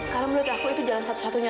karena menurut aku itu jalan satu satunya